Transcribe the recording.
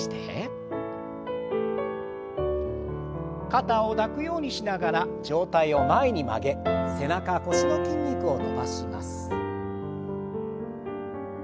肩を抱くようにしながら上体を前に曲げ背中腰の筋肉を伸ばします。